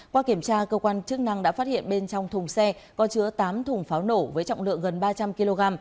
qua kiểm tra cơ quan chức năng đã phát hiện bên trong thùng xe có chứa tám thùng pháo nổ với trọng lượng gần ba trăm linh kg